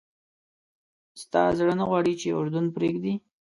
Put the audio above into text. ستا زړه نه غواړي چې اردن پرېږدې.